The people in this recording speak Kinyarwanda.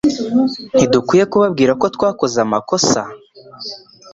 Ntidukwiye kubabwira ko twakoze amakosa?